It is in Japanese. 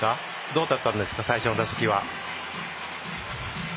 どうだったんですか最初の打席は。